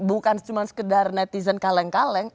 bukan cuma sekedar netizen kaleng kaleng